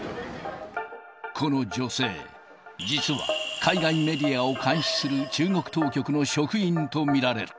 この女性、実は、海外メディアを監視する中国当局の職員と見られる。